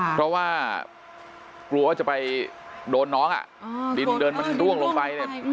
เพราะว่ากลัวว่าจะไปโดนน้องอ่ะอ่าโดนโดนลงไปอืม